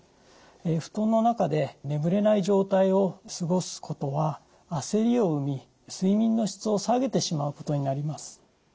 布団の中で眠れない状態を過ごすことは焦りを生み睡眠の質を下げてしまうことになります。